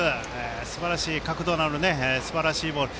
すばらしい角度のあるすばらしいボール。